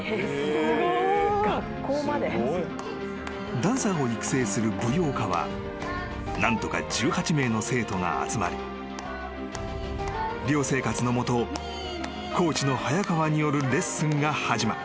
［ダンサーを育成する舞踊科は何とか１８名の生徒が集まり寮生活の下コーチの早川によるレッスンが始まった］